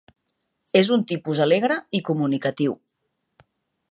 És un tipus alegre i comunicatiu.